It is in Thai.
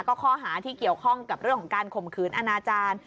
ก็ข้อหาที่เกี่ยวข้องกับเรื่องของการข่มขืนอนาจารย์